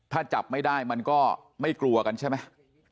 ถ้าจับไม่ได้มันก็ไม่กลัวกันใช่ไหม